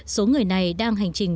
số người này đang hành trình